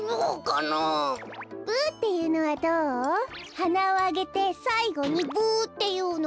はなをあげてさいごにブっていうの。